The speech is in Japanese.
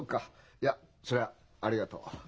いやそれはありがとう。